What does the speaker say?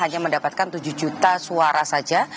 hanya mendapatkan tujuh juta suara saja